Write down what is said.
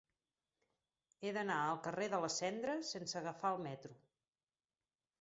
He d'anar al carrer de la Cendra sense agafar el metro.